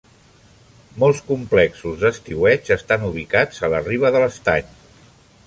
Molts complexos d'estiueig estan ubicats a la riba de l'estany.